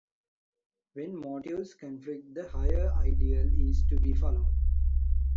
When motives conflict, the higher ideal is to be followed.